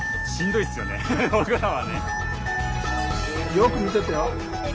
よく見ててよ。